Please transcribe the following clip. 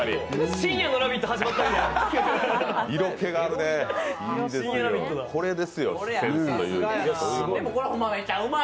深夜の「ラヴィット！」始まったみたい。